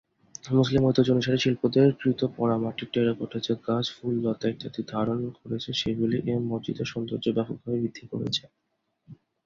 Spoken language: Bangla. মুসলিম ঐতিহ্য অনুসারে শিল্পীদের কৃত পোড়ামাটির টেরাকোটা যা গাছ-ফুল-লতা ইত্যাদি ধারণ করেছে সেগুলো এ মসজিদের সৌন্দর্য ব্যাপকভাবে বৃদ্ধি করেছে।